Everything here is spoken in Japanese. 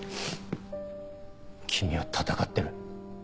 君は闘ってる。